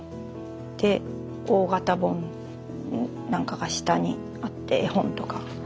で大型本なんかが下にあって絵本とか。